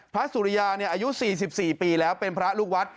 พระสุริยาเนี่ยอายุ๔๔ปีแล้วเป็นพระลูกวัด